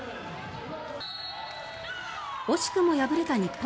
惜しくも敗れた日本。